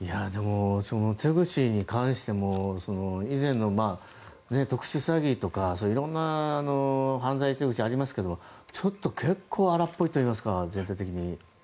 手口に関しても以前の特殊詐欺とかいろいろな犯罪の手口がありますが結構、荒っぽいといいますか全体的に。